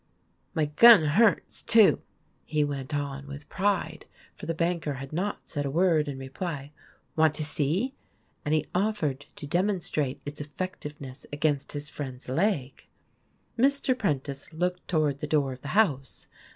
" My gun hurts, too !" he went on, with pride (for the banker had not said a word in reply). "Want to see?" and he offered to demonstrate its effec tiveness against his friend's leg. Mr. Prentice looked toward the cloor of the house.